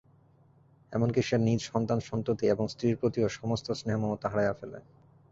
এমন কি, সে নিজ সন্তান-সন্ততি এবং স্ত্রীর প্রতিও সমস্ত স্নেহ-মমতা হারাইয়া ফেলে।